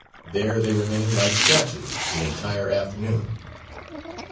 There they remain, like statues, the entire afternoon.